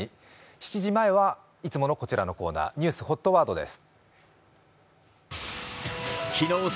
７時前はいつものこちらのコーナー、「ニュースＨＯＴワード」です。